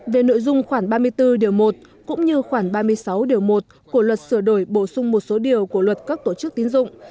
về nội dung khoảng ba mươi bốn điều một cũng như khoảng ba mươi sáu điều một của luật sửa đổi bổ sung một số điều của luật các tổ chức tín dụng